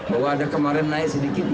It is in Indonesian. bahwa ada kemarin naik sedikit